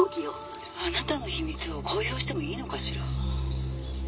「あなたの秘密を公表してもいいのかしら？」